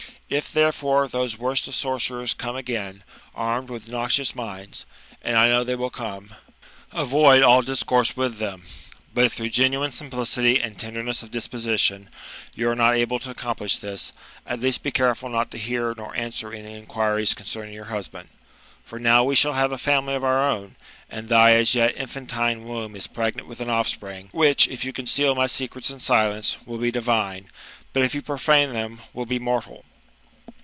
If, thierefore, those worst of sorcerers come again, armed with noxious minds, (and I know they will come), avoid all discourse with them ; but if through genuine simplicity and tenderness of disposition, you are not able to accomplish this, at least be careful not to hear or answer any inquiries concerning your husband. For now we shall have a family of our own, and th/ as yet infantine womb is pregnant with an offspring, which, if you conceal my secrets in silence, will be divine, but if you profane them, will be mortal."